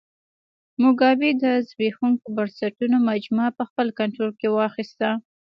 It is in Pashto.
موګابي د زبېښونکو بنسټونو مجموعه په خپل کنټرول کې واخیسته.